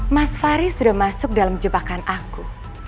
mas fari sudah masuk dalam jebakan aku